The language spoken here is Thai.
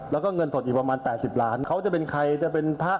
แล้วก็เงินสดอีกประมาณ๘๐ล้านเขาจะเป็นใครจะเป็นพระ